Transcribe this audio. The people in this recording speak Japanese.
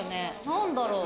何だろう？